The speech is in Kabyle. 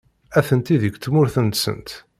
Atenti deg tmurt-nsent.